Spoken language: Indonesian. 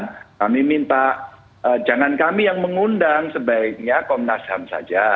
dan kami minta jangan kami yang mengundang sebaiknya komnas ham saja